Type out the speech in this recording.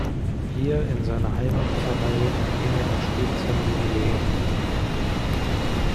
Hier, in seiner Heimatpfarrei, beging er auch stets seine Jubiläen.